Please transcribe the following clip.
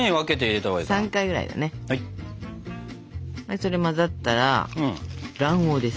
それ混ざったら卵黄です。